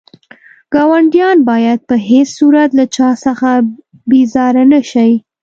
ګاونډيان بايد په هيڅ صورت له چا څخه بيزاره نه شئ.